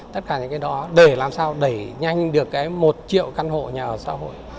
tất cả những cái đó để làm sao đẩy nhanh được cái một triệu căn hộ nhà ở xã hội